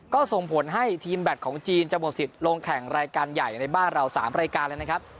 ก็ส่งผลให้ทีมแบตของจีนจะหมดสิทธิ์ลงแข่งรายการใหญ่ในบ้านเรา๓รายการเลยนะครับ